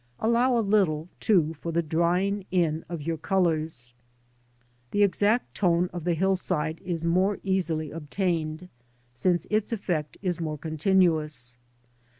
Allow a little, too, for the drying in of your colours. The exact tone of the hillside is more easily obtained, since its effect is more continuous.